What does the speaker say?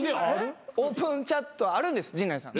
オープンチャットあるんです陣内さん。